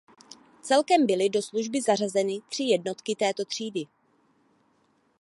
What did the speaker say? Celkem byly do služby zařazeny tři jednotky této třídy.